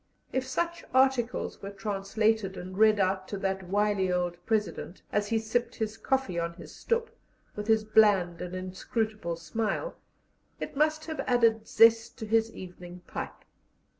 If such articles were translated and read out to that wily old President, as he sipped his coffee on his stoep, with his bland and inscrutable smile, it must have added zest to his evening pipe.